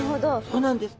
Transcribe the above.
そうなんです。